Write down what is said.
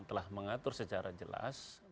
telah mengatur secara jelas